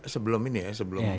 sebelum ini ya sebelum